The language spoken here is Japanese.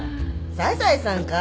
『サザエさん』か？